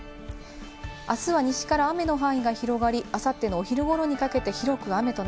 あすは西から雨の範囲が広がり、あさっての昼頃にかけて広く雨と